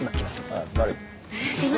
ああ悪い。